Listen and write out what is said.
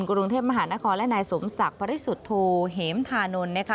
กรุงเทพมหานครและนายสมศักดิ์ปริสุทธโธเหมธานนท์นะคะ